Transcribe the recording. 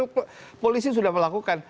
ya polisi sudah melakukan